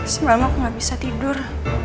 semalam aku gak bisa tidur